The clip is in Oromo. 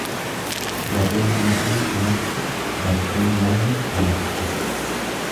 Gadheen nitii hamatti badduun lammi hamatti.